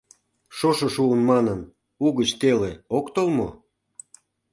Шошо шуын манын, угыч теле ок тол мо?